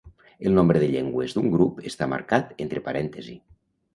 El nombre de llengües d'un grup està marcat entre parèntesis.